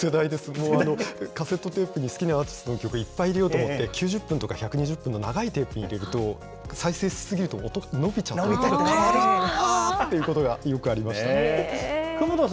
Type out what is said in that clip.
もうカセットテープ好きなアーティストの曲、いっぱい入れようと思って、９０分とか、１２０分の長いテープに入れると、再生し過ぎると、伸びちゃうということがよくありました。